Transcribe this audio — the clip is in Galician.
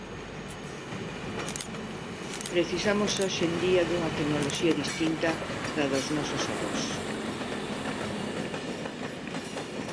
Precisamos hoxe en día dunha tecnoloxía distinta da dos nosos avós.